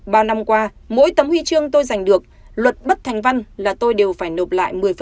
bao năm qua mỗi tấm huy chương tôi giành được luật bất thành văn là tôi đều phải nộp lại một mươi